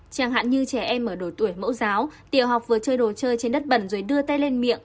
chẳng hạn như trẻ em ở độ tuổi mẫu giáo tiểu học vừa chơi đồ chơi trên đất bẩn rồi đưa tay lên miệng